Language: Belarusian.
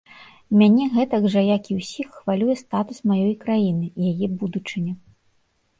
Мяне гэтак жа, як і ўсіх, хвалюе статус маёй краіны, яе будучыня.